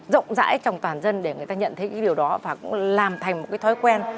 rộng rãi trong toàn dân để người ta nhận thấy cái điều đó và cũng làm thành một cái thói quen